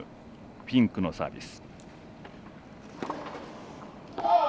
フィンクのサービス。